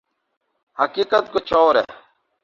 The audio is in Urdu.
حقیقت کچھ اور ہے۔